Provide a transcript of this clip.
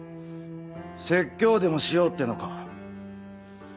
説教でもしようってのか。